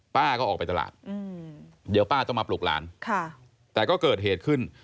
ป้าก็ออกไปตลาดเดี๋ยวป้าต้องมาปลุกหลานแต่ก็เกิดเหตุขึ้น